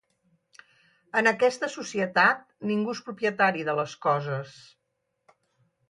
En aquesta societat, ningú és propietari de les coses.